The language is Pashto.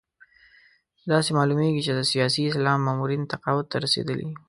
داسې معلومېږي چې د سیاسي اسلام مامورین تقاعد ته رسېدلي.